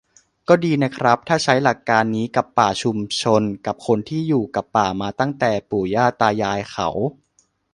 "ก็ดีนะครับ ถ้าใช้หลักการนี้กับป่าชุมชน กับคนที่อยู่กับป่ามาตั้งแต่ปู่ย่าตายายเขา"